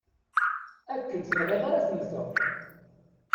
Akken tenɣiḍ ara temmteḍ!